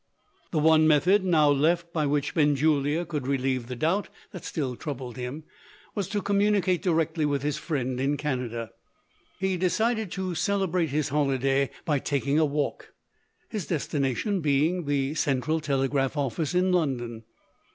The one method now left, by which Benjulia could relieve the doubt that still troubled him, was to communicate directly with his friend in Canada. He decided to celebrate his holiday by taking a walk; his destination being the central telegraph office in London.